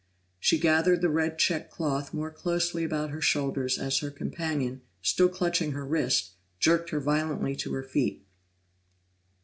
She gathered the red checked cloth more closely about her shoulders as her companion, still clutching her wrist, jerked her violently to her feet.